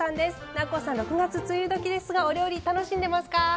南光さん、５月は梅雨時ですがお料理、楽しんでますか？